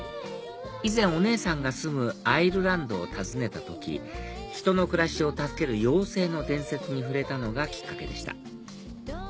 以前お姉さんが住むアイルランドを訪ねた時人の暮らしを助ける妖精の伝説に触れたのがきっかけでした